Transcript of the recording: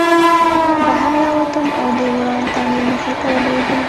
بهر راووتم او د وران تعمیر مخې ته ودرېدم